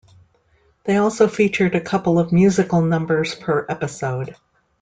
They also featured a couple of musical numbers per episode.